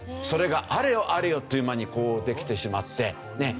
それがあれよあれよという間にできてしまって。